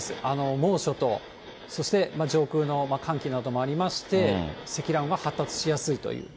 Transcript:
猛暑と、そして上空の寒気などもありまして、積乱雲が発達しやすいという。